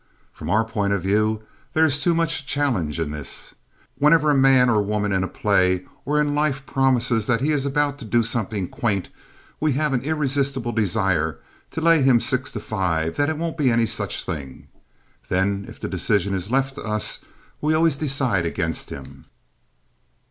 From our point of view there is too much challenge in this. Whenever a man or woman in a play or in life promises that he is about to do something quaint we have an irresistible desire to lay him 6 to 5 that it won't be any such thing. Then if the decision is left to us we always decide against him.